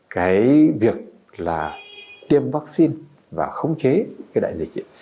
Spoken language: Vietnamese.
cái việc là tiêm vaccine và khống chế cái đại dịch